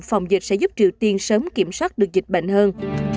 phòng dịch sẽ giúp triều tiên sớm kiểm soát được dịch bệnh hơn